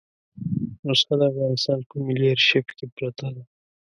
نسخه د افغانستان په ملي آرشیف کې پرته ده.